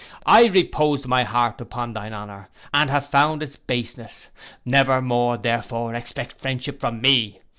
I reposed my heart upon thine honour, and have found its baseness. Never more, therefore, expect friendship from me.